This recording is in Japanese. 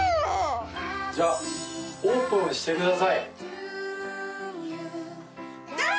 じゃあオープンしてくださいああ！